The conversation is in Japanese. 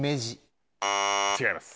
違います。